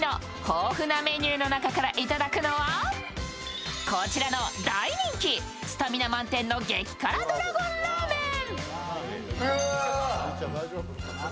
豊富なメニューの中からいただくのはこちらの大人気スタミナ満点の激辛ドラゴンラーメン。